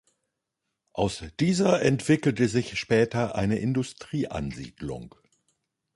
Aus dieser entwickelte sich später eine Industrieansiedlung.